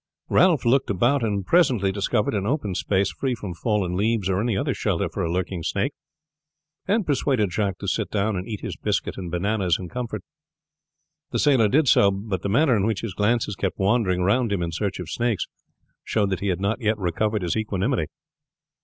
Ralph looked about and presently discovered an open space, free from fallen leaves or any other shelter for a lurking snake, and persuaded Jacques to sit down and eat his biscuit and bananas in comfort. The sailor did so, but the manner in which his glances kept wandering round him in search of snakes showed that he had not yet recovered his equanimity.